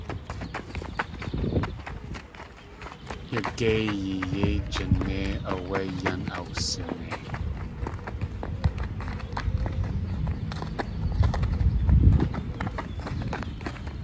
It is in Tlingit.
Yagéiyi yéi jiné áwé yan awsinei.